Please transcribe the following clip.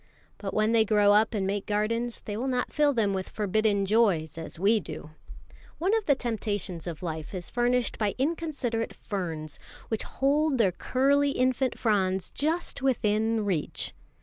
But when they grow up and make gardens, they will not fill them with forbidden joys as we do. One of the temptations of life is furnished by inconsiderate ferns, which hold their curly infant fronds just within reach.